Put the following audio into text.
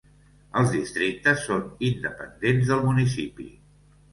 Els districtes són independents del municipi.